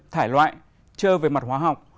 thải loại chơ về mặt hóa học